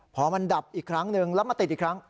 พอมันดับอีกครั้งหนึ่งแล้วมาติดอีกครั้ง